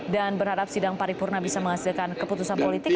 dan berharap sidang paripurna bisa menghasilkan keputusan politik